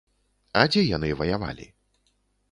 А дзе яны ваявалі?